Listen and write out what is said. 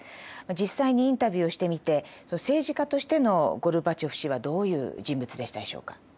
実際にインタビューをしてみて政治家としてのゴルバチョフ氏はどういう人物でしたでしょうか。